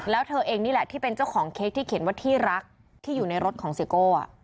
แล้วเธอเองนี่แหละที่เป็นเจ้าของเค้กที่เขียนว่าที่รักที่อยู่ในรถของเสียโก้